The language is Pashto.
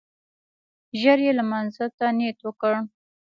ژر يې لمانځه ته نيت وکړ.